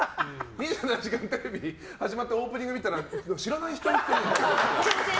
「２７時間テレビ」始まってオープニング見たら知らない人。